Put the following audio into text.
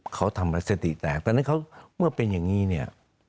เขาทำแล้วสติแตกตอนนั้นเขาเมื่อเป็นอย่างนี้เนี่ย